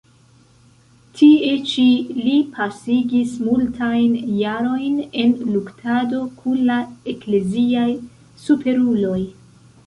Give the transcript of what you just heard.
Tie ĉi li pasigis multajn jarojn en luktado kun la ekleziaj superuloj.